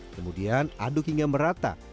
kemudian aduk hingga merata